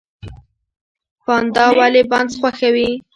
پاندا ولې بانس خوښوي؟